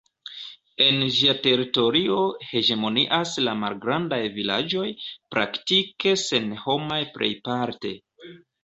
En ĝia teritorio hegemonias la malgrandaj vilaĝoj, praktike senhomaj plejparte.